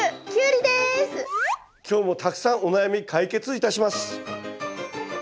今日もたくさんお悩み解決いたします。